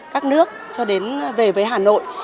các nước cho đến về với hà nội